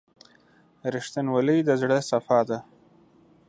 • رښتینولي د زړه صفا ده.